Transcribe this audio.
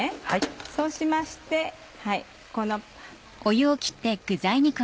そうしましてこの。